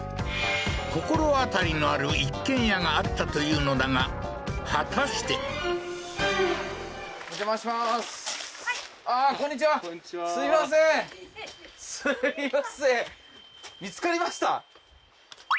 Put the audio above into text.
心当たりのある一軒家があったというのだが果たして「見つかりました？」